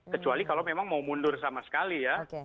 kecuali kalau memang mau mundur sama sekali ya